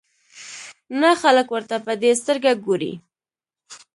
نه خلک ورته په دې سترګه ګوري.